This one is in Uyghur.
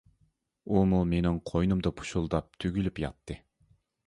ئۇمۇ مېنىڭ قوينۇمدا پۇشۇلداپ تۈگۈلۈپ ياتتى.